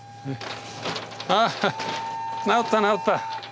あ直った直った！